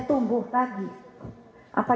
tumbuh lagi apa